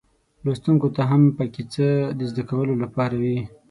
لوستونکو ته هم پکې څه د زده کولو لپاره وي.